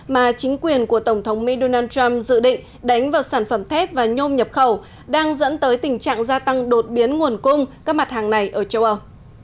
mà chính quyền của tổng thống mỹ donald trump dự định đánh vào sản phẩm thép và nhôm nhập khẩu đang dẫn tới tình trạng gia tăng đột biến nguồn cung các mặt hàng này ở châu âu